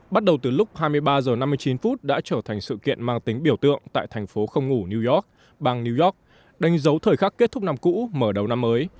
bắt đầu từ lúc hai mươi ba h năm mươi chín đã trở thành sự kiện mang tính biểu tượng tại thành phố không ngủ new york bang new york đánh dấu thời khắc kết thúc năm cũ mở đầu năm mới